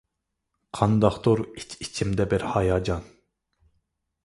قانداقتۇر ئىچ-ئىچىمدە بىر ھاياجان.